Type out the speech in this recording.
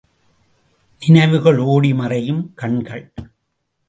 நினைவுகள் ஓடி மறையும் கண்கள்.